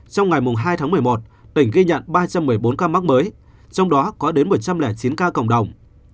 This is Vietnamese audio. trong ngày hai tháng một mươi một tỉnh ghi nhận ba trăm một mươi bốn ca mắc mới trong đó có đến một trăm linh chín ca cộng đồng